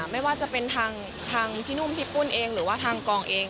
ไม่ว่าจะเป็นทางพี่นุ่มพี่ปุ้นเองหรือว่าทางกองเอง